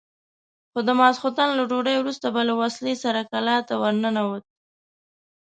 خو د ماخستن له ډوډۍ وروسته به له وسلې سره کلا ته ورننوت.